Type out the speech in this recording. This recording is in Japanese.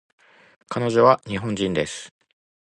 彼女は日本人です